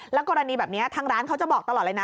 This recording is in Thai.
กรณีแบบนี้ทางร้านเขาจะบอกตลอดเลยนะ